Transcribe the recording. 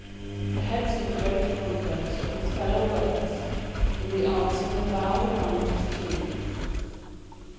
The heads of a great concourse of his fellow workers in the Arts were bowed around his tomb.